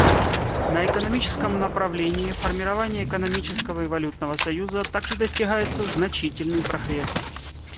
На экономическом направлении формирования экономического и валютного союза также достигается значительный прогресс.